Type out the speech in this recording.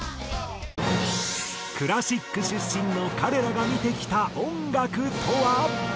クラシック出身の彼らが見てきた音楽とは？